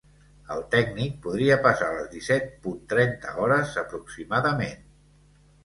El tècnic podria passar a les disset punt trenta hores aproximadament.